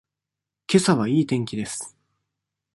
けさはいい天気です。